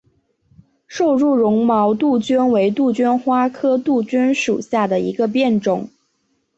瘦柱绒毛杜鹃为杜鹃花科杜鹃属下的一个变种。